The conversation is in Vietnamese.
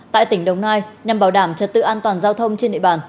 tại tỉnh đồng nai nhằm bảo đảm trật tự an toàn giao thông trên địa bàn